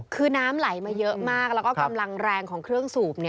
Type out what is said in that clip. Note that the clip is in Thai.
คือน้ำไหลมาเยอะมากแล้วก็กำลังแรงของเครื่องสูบ